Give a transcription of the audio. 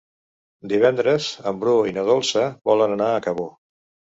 Divendres en Bru i na Dolça volen anar a Cabó.